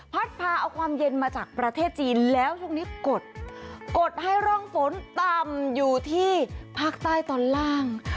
พาเอาความเย็นมาจากประเทศจีนแล้วช่วงนี้กดกดให้ร่องฝนต่ำอยู่ที่ภาคใต้ตอนล่าง